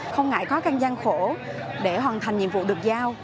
không ngại khó khăn gian khổ để hoàn thành nhiệm vụ được giao